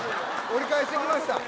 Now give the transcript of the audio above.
折り返してきました